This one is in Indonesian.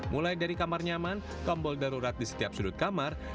mulai dari kamar nyaman tombol darurat di setiap sudut kamar